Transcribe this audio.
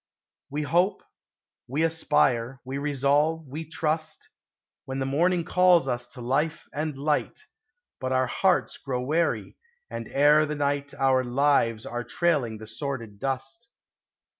We hope, we aspire, we resolve, we trust, When the morning calls us to life and light, But our hearts grow weary, and, ere the night, Our lives are trailing the sordid dust.